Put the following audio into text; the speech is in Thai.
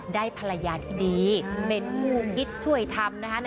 ได้ภรรยาดีเมนูคิดช่วยทำนะฮะ